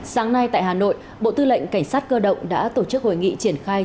sáng nay tại hà nội bộ tư lệnh cảnh sát cơ động đã tổ chức hội nghị triển khai